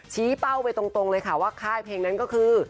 เป้าไปตรงเลยค่ะว่าค่ายเพลงนั้นก็คือ